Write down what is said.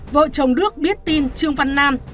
vợ chồng đức biết tin trương văn nam